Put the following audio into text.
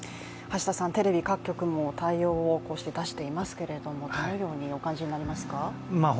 テレビ各局も対応を出していますけれどもどのようにお感じになりますか？